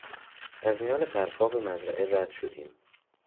از میان برفاب مزرعه رد شدیم.